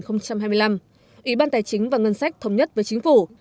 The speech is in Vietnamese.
ủy ban tài chính và ngân sách thống nhất với chính phủ